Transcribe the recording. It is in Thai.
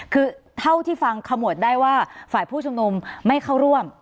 คือเท่าที่ฟังขมวดได้ว่าฝ่ายผู้ชุมนุมไม่เข้าร่วม